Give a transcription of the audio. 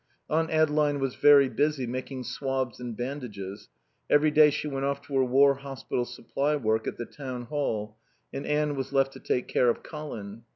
Aunt Adeline was very busy, making swabs and bandages. Every day she went off to her War Hospital Supply work at the Town Hall, and Anne was left to take care of Colin.